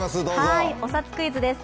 お札クイズです。